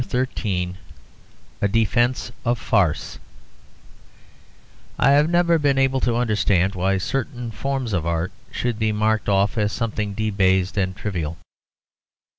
A DEFENCE OF FARCE I have never been able to understand why certain forms of art should be marked off as something debased and trivial.